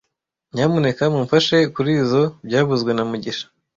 Nyamuneka mumfashe kurizoi byavuzwe na mugisha